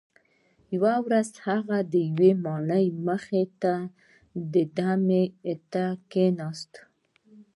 یوه ورځ هغه د یوې ماڼۍ مخې ته دمې ته کښیناست.